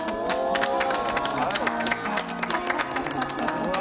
すごい！